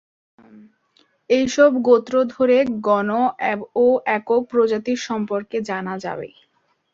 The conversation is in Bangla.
এসব গোত্র ধরে গণ ও একক প্রজাতি সম্পর্কে জানা যাবে।